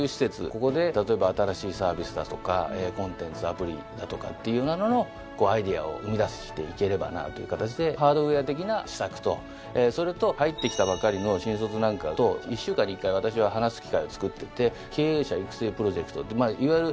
ここで例えば新しいサービスだとかコンテンツアプリだとかっていうようなののアイデアを生み出していければなという形でハードウェア的な施策とそれと入ってきたばかりの新卒なんかと１週間に１回私は話す機会をつくってて「経営者育成プロジェクト」っていわゆる次世代のですね